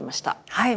はい。